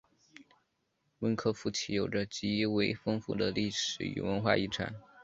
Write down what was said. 温科夫齐有着极为丰富的历史与文化遗产。